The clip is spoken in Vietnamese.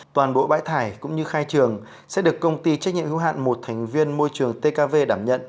toàn bộ bãi thải cũng như khai trường sẽ được công ty trách nhiệm hữu hạn một thành viên môi trường tkv đảm nhận